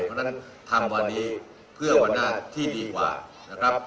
เพราะฉะนั้นทำวันที่ดีกว่า